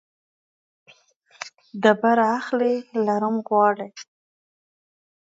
ډبره اخلي ، لړم غواړي.